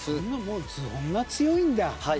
こんなに強いんだ。